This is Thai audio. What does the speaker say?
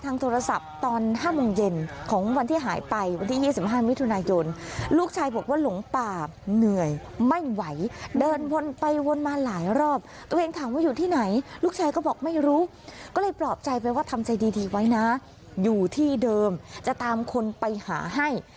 ตัวเองถามว่าอยู่ที่ไหนลูกชายก็บอกไม่รู้ก็เลยปลอบใจไปว่าทำใจดีไว้นะอยู่ที่เดิมจะตามคนไปหาให้